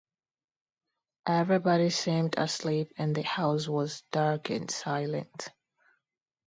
Everybody seemed asleep and the house was dark and silent.